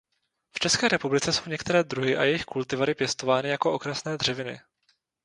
V České republice jsou některé druhy a jejich kultivary pěstovány jako okrasné dřeviny.